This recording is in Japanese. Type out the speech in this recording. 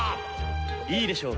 いいでしょう。